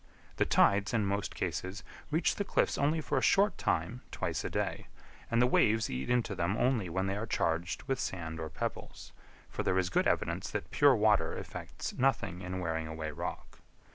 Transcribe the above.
The tides in most cases reach the cliffs only for a short time twice a day, and the waves eat into them only when they are charged with sand or pebbles; for there is good evidence that pure water effects nothing in wearing away rock.